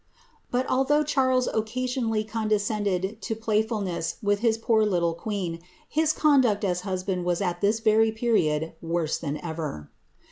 But although Charles occasionally condescended to playfulness vith his poor little queen, his conduct as a husband was at this very period worse than ever.